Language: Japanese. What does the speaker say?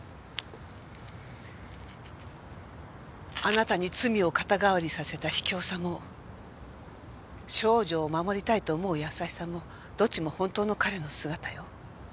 あなたに罪を肩代わりさせた卑怯さも少女を守りたいと思う優しさもどっちも本当の彼の姿よ。